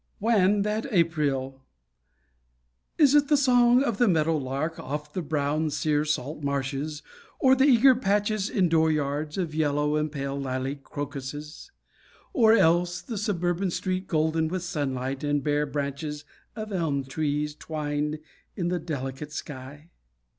"WHAN THAT APRILLE ..." Is it the song of a meadow lark Off the brown, sere salt marshes, Or the eager patches in dooryards Of yellow and pale lilac crocuses; Or else the suburban street golden with sunlight, And the bare branches of elm trees Twined in the delicate sky?